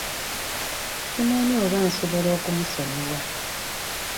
Simanyi oba nsobola okumusonyiwa.